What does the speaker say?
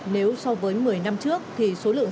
nếu so với một mươi năm trước thì số lượng